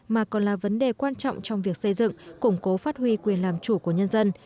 mà còn là vấn đề quan trọng trong việc xây dựng củng cố phát huy quyền làm chủ của nhân dân